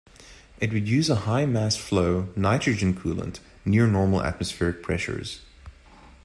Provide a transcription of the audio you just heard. It would use a high mass-flow nitrogen coolant near normal atmospheric pressures.